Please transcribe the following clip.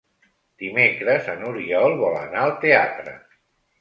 Dimecres n'Oriol vol anar al teatre.